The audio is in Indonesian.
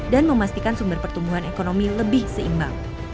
dan memastikan sumber pertumbuhan ekonomi lebih seimbang